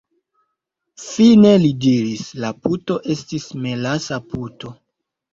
Fine li diris: "La puto estis melasa puto."